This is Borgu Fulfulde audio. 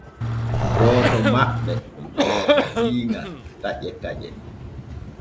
Gooto maɓɓe wudditi ŋa taƴe taƴe.